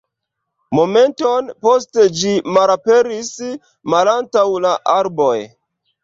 Momenton poste ĝi malaperis malantaŭ la arboj.